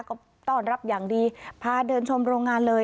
ก็ต้อนรับอย่างดีพาเดินชมโรงงานเลย